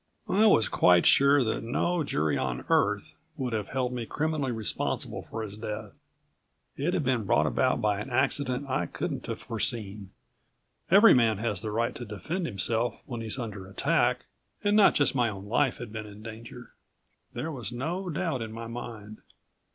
I was quite sure that no jury on Earth would have held me criminally responsible for his death. It had been brought about by an accident I couldn't have foreseen. Every man has the right to defend himself when he's under attack, and not just my own life had been in danger. There was no doubt in my mind